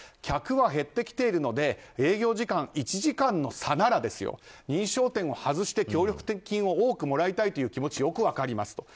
客は減ってきているので営業時間１時間の差なら認証店を外して、協力金を多くもらいたいという気持ちはよく分かります。